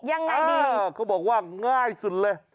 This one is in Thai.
ยังไงดีเออเขาบอกว่าง่ายสุดเลย